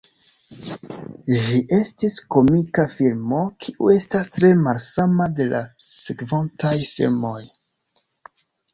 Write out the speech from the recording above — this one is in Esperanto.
Ĝi estis komika filmo, kiu estas tre malsama de la sekvontaj filmoj.